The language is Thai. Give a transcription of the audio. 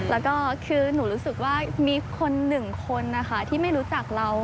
แล้วก็คือหนูรู้สึกว่ามีคนหนึ่งคนนะคะที่ไม่รู้จักเรา